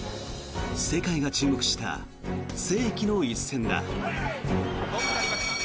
世界が注目した世紀の一戦だ。